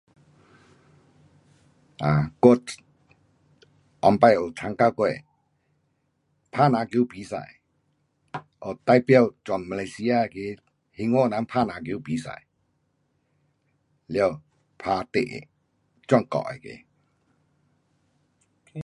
um 我以前有参加过打篮球比赛，代表全马来西亚那个兴华人打篮球比赛。了打第一，全国那个。